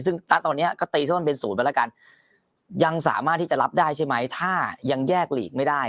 ซึ่งณตอนนี้ก็ตีซะมันเป็นศูนย์ไปแล้วกันยังสามารถที่จะรับได้ใช่ไหมถ้ายังแยกหลีกไม่ได้